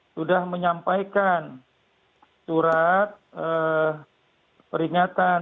sudah menyampaikan surat peringatan